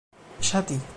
ŝati